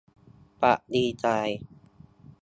ปรับดีไซน์